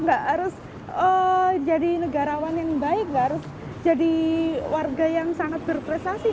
nggak harus jadi negarawan yang baik nggak harus jadi warga yang sangat berprestasi